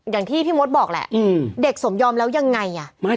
อย่างที่พี่มดบอกแหละเด็กสมยอมแล้วยังไงอ่ะ